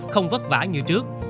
không vất vả như trước